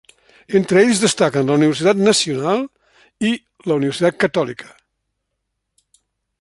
Entre ells destaquen la Universitat Nacional i la Universitat Catòlica.